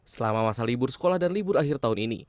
selama masa libur sekolah dan libur akhir tahun ini